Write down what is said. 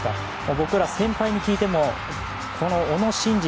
僕ら先輩に聞いても、小野伸二